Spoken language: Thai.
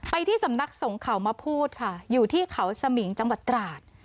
ที่สำนักสงเขามาพูดค่ะอยู่ที่เขาสมิงจังหวัดตราด